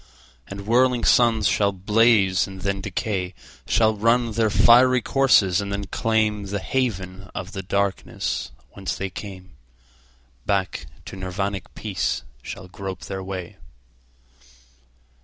And whirling suns shall blaze and then decay, Shall run their fiery courses and then claimThe haven of the darkness whence they came; Back to Nirvanic peace shall grope their way.